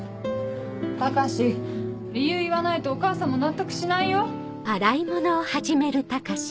高志理由言わないとお母さんも納得しないよ。